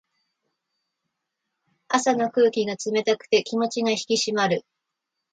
朝の空気が冷たくて気持ちが引き締まる。